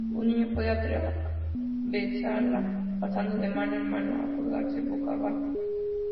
Un niño puede atravesarla pasando de mano en mano o colgarse boca a bajo.